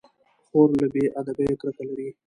خور له بې ادبيو کرکه لري.